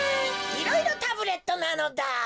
いろいろタブレットなのだ。